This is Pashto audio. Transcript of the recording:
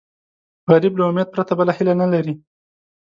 غریب له امید پرته بله هیله نه لري